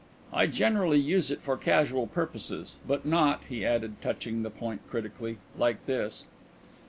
"I generally use it for casual purposes. But not," he added, touching the point critically, "like this."